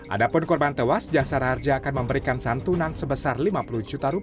ada pun korban tewas jasara harja akan memberikan santunan sebesar rp lima puluh juta